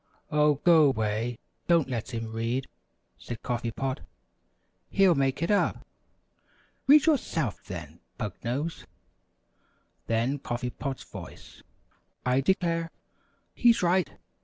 "Oh, go 'way! Don't let him read," said Coffee Pot; "he'll make it up." "Read yourself, then, Pug Nose!" Then Coffee Pot's voice: "I declare! He's right!